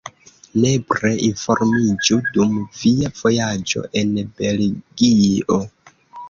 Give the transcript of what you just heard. Nepre informiĝu dum via vojaĝo en Belgio!